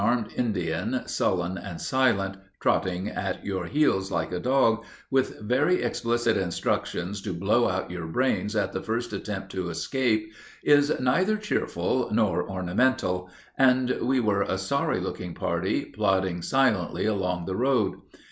To travel with an armed Indian, sullen and silent, trotting at your heels like a dog, with very explicit instructions to blow out your brains at the first attempt to escape, is neither cheerful nor ornamental, and we were a sorry looking party plodding silently along the road.